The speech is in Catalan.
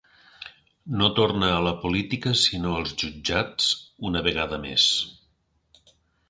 No torna a la política, sinó als jutjats, una vegada més.